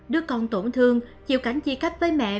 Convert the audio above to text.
đứa con tổn thương chịu cảnh chia cách với mẹ